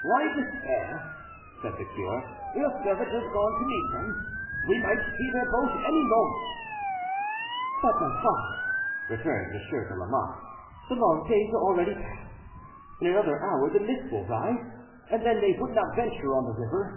"Why despair?" said the cure. "Your servant has gone to meet them; we might see their boat any moment." "But, my father," returned Monsieur de Lamotte, "the long days are already past. In another hour the mist will rise, and then they would not venture on the river."